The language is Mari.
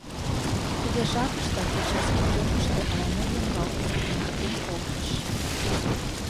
Тиде жапыштак участке кӧргыштӧ ала-мо йоҥгалте, йыҥгыртен колтыш.